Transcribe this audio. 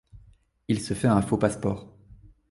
Il se fait un faux passeport.